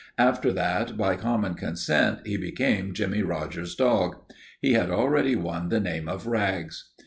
After that, by common consent, he became Jimmie Rogers's dog. He had already won the name of Rags.